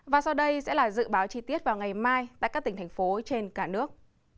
và sau đây sẽ là dự báo chi tiết vào ngày mai tại các tỉnh thành phố trên cả nước